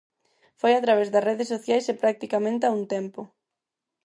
Foi a través das redes sociais e practicamente a un tempo.